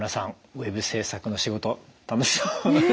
ウェブ制作の仕事楽しそうでしたね。